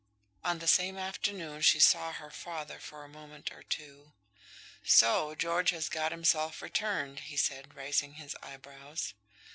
On the same afternoon she saw her father for a moment or two. "So George has got himself returned," he said, raising his eyebrows.